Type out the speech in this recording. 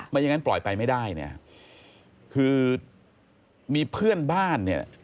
อย่างนั้นปล่อยไปไม่ได้เนี่ยคือมีเพื่อนบ้านเนี่ย